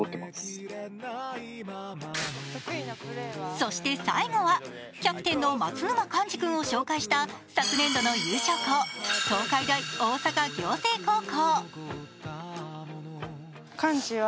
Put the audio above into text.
そして最後は、キャプテンの松沼寛治君を紹介した昨年度の優勝校、東海大大阪仰星高校。